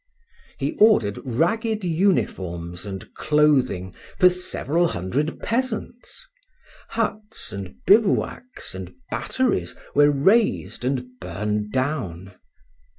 He ordered ragged uniforms and clothing for several hundred peasants. Huts and bivouacs and batteries were raised and burned down.